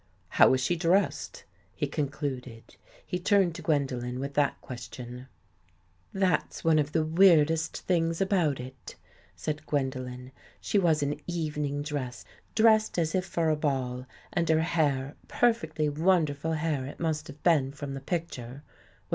"How was she dressed?" he concluded. He turned to Gwendolen with that question. " That's one of the weirdest things about it," said G^ " She was in evening dress — dressed a ball, and her hair — perfectly wonderi must have been from the picture — was